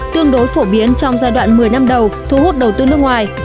tương đối phổ biến trong giai đoạn một mươi năm đầu thu hút đầu tư nước ngoài